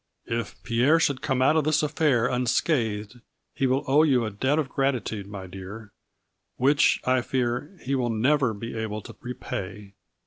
If Pierre should come out of this af fair unscathed he will owe you a debt of grati tude, my dear, which, I fear, he will never be able to repay.